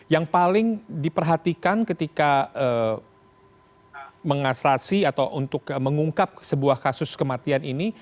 yang paling diperhatikan ketika mengaslasi atau untuk mengungkap sebuah kasus kematian ini